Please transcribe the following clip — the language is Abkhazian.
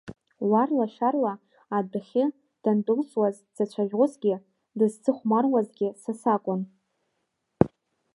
Уарла-шәарла адәыхьы дандәылҵуаз дзацәажәозгьы, дызцыхәмаруазгьы са сакәын.